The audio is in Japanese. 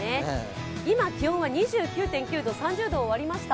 今、気温は２９．９度、３０度を割りました。